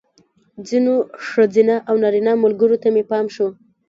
ځینو ښځینه او نارینه ملګرو ته مې پام شو.